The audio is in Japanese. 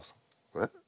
えっ？